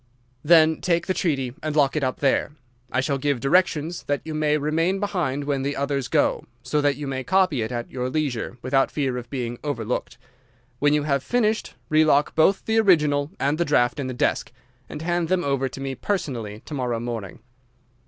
"'Then take the treaty and lock it up there. I shall give directions that you may remain behind when the others go, so that you may copy it at your leisure without fear of being overlooked. When you have finished, relock both the original and the draft in the desk, and hand them over to me personally to morrow morning.